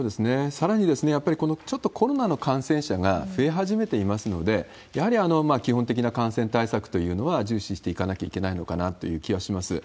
さらに、やっぱりちょっとコロナの感染者が増え始めていますので、やはり基本的な感染対策というのは、重視していかなきゃいけないのかなという気はします。